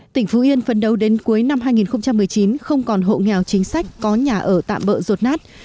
tỉnh phú yên phấn đấu đến cuối năm hai nghìn một mươi chín không còn hộ nghèo chính sách có nhà ở tạm bỡ rột nát